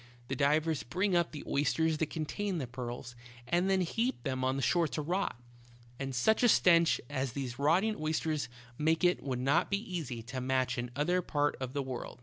The divers bring up the oysters that contain the pearls, and then heap them on the shore to rot ; and such a stench as these rotting oysters make it would not be easy to match in any other part of the world.